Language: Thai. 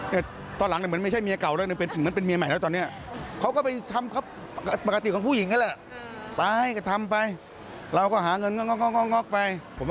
นังนั้นก็ไปดึงทำนู้นทำมาใหม่